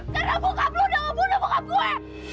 karena bokap lo udah membunuh bokap gue